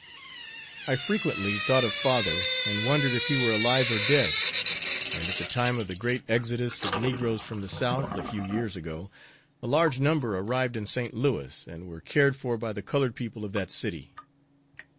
I frequently thought of father, and wondered if he were alive or dead; and at the time of the great exodus of negroes from the South, a few years ago, a large number arrived in St. Louis, and were cared for by the colored people of that city.